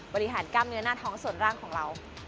บริหารกล้ามเนื้อหน้าท้องส่วนร่างของเรา